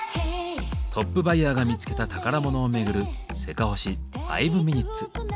トップバイヤーが見つけた宝物を巡る「せかほし５ｍｉｎ．」。